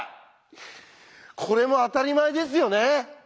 これもあたりまえですよね？